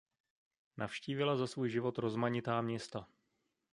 Navštívila za svůj život rozmanitá města.